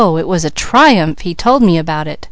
It was a triumph! He told me about it."